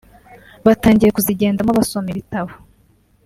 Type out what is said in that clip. batangiye kuzigendamo basoma ibitabo